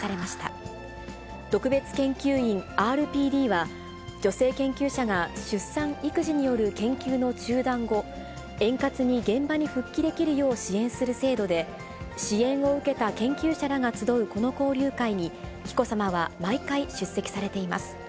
ＲＰＤは、女性研究者が出産・育児による研究の中断後、円滑に現場に復帰できるよう支援する制度で、支援を受けた研究者らが集うこの交流会に、紀子さまは毎回出席されています。